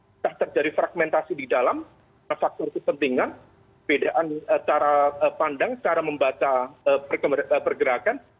sudah terjadi fragmentasi di dalam faktor kesentingan bedaan cara pandang cara membaca pergerakan